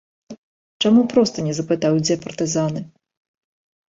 Чаму проста не запытаў, дзе партызаны?